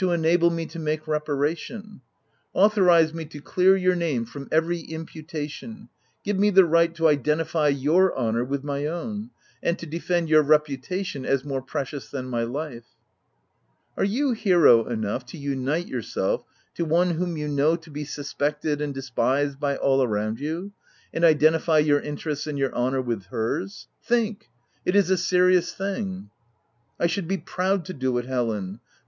209 enable me to make reparation ; authorize me to clear your name from every imputation : give me the right to identify your honour with my own, and to defend your reputation as more precious than my life \"" Are you hero enough to unite yourself to one whom you know to be suspected and de spised by all around you, and identify your in terests and your honour with hers ? Think ! it is a serious thing.*' * I should be proud to do it Helen